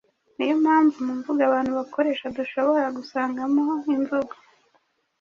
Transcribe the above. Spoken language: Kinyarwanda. Ni yo mpamvu mu mvugo abantu bakoresha dushobora gusangamo imvugo